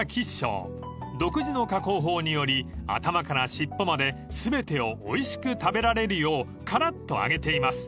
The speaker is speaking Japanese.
［独自の加工法により頭から尻尾まで全てをおいしく食べられるようカラッと揚げています］